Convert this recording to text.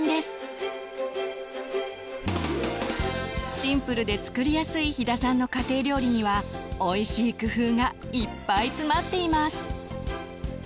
シンプルで作りやすい飛田さんの家庭料理にはおいしい工夫がいっぱい詰まっています。